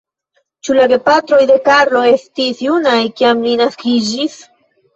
Ĉu la gepatroj de Karlo estis junaj, kiam li naskiĝis?